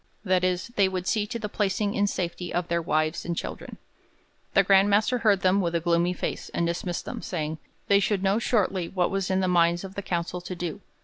That is, they would see to the placing in safety of their wives and children.' The Grand Master heard them with a gloomy face, and dismissed them, saying, they should know shortly what was in the minds of the council to do.